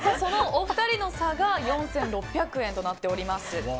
お二人の差が４６００円となっています。